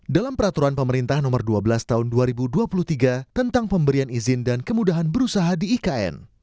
dalam peraturan pemerintah nomor dua belas tahun dua ribu dua puluh tiga tentang pemberian izin dan kemudahan berusaha di ikn